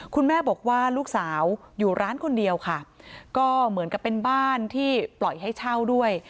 คุณแม่บอกว่าลูกสาวอยู่ร้านคนเดียวค่ะก็เหมือนกับเป็นบ้านที่ปล่อยให้เช่าด้วย